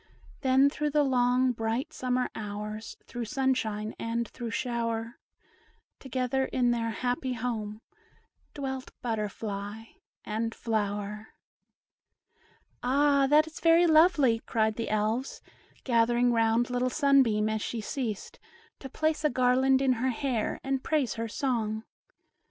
Then, through the long, bright summer hours Through sunshine and through shower, Together in their happy home Dwelt butterfly and flower. "Ah, that is very lovely," cried the Elves, gathering round little Sunbeam as she ceased, to place a garland in her hair and praise her song.